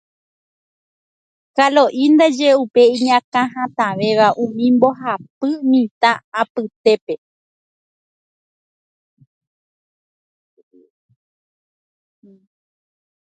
Kalo'i ndaje upe iñakãhatãvéva umi mbohapy mitã'i apytépe.